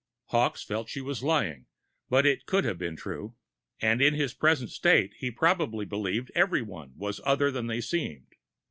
Hawkes felt she was lying but it could have been true. And in his present state, he probably believed everyone was other than they seemed.